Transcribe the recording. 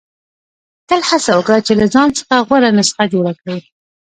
• تل هڅه وکړه چې له ځان څخه غوره نسخه جوړه کړې.